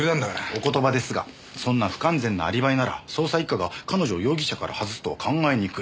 お言葉ですがそんな不完全なアリバイなら捜査一課が彼女を容疑者から外すとは考えにくい。